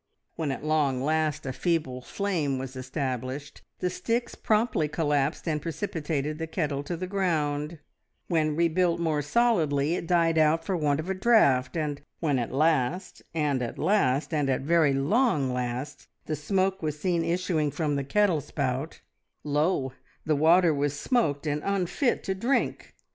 When at long last a feeble flame was established, the sticks promptly collapsed and precipitated the kettle to the ground; when rebuilt more solidly, it died out for want of a draught; and when at last, and at last, and at very long last, the smoke was seen issuing from the kettle spout, lo, the water was smoked, and unfit to drink!